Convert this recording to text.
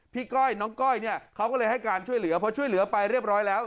ก้อยน้องก้อยเนี่ยเขาก็เลยให้การช่วยเหลือเพราะช่วยเหลือไปเรียบร้อยแล้ว